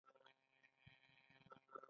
آیا موږ یو مسلمان نه یو؟